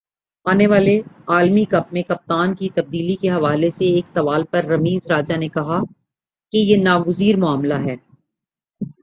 آنے والے عالمی کپ میں کپتان کی تبدیلی کے حوالے سے ایک سوال پر رمیز راجہ نے کہا کہ یہ ناگزیر معاملہ ہے